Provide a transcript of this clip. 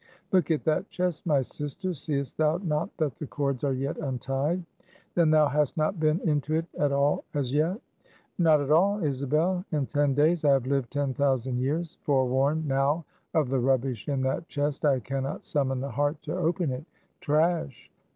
"Look at that chest, my sister. Seest thou not that the cords are yet untied?" "Then thou hast not been into it at all as yet?" "Not at all, Isabel. In ten days I have lived ten thousand years. Forewarned now of the rubbish in that chest, I can not summon the heart to open it. Trash!